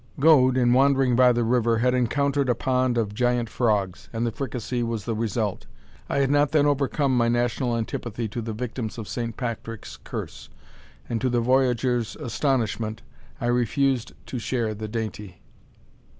Gode, in wandering by the river, had encountered a pond of giant frogs, and the fricassee was the result. I had not then overcome my national antipathy to the victims of Saint Patrick's curse; and, to the voyageur's astonishment, I refused to share the dainty.